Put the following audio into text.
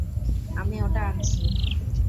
আমি ওটা আনছি।